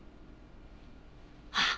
あっ！